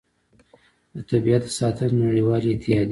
د طبیعت د ساتنې نړیوالې اتحادیې